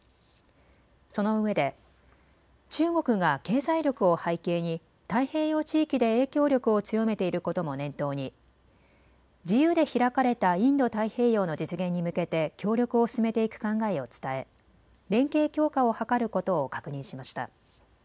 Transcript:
そのうえで中国が経済力を背景に太平洋地域で影響力を強めていることも念頭に自由で開かれたインド太平洋の実現に向けて協力を進めていく考えを伝え連携強化を図ることを確認しました。